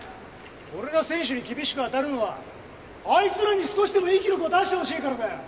俺が選手に厳しく当たるのはあいつらに少しでもいい記録を出してほしいからだよ！